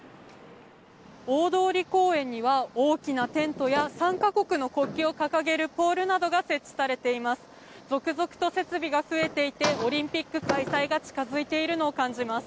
大通公園には大きなテントや参加国の国旗を掲げるポールなどが設置されています。